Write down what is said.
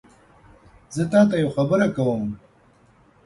زه تاته یوه خبره کوم